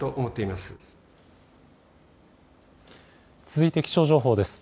続いて気象情報です。